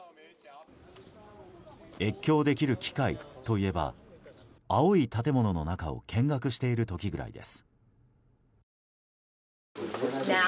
越境できる機会といえば青い建物の中を見学している時ぐらいです。